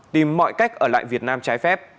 tìm mọi cách ở lại việt nam trái phép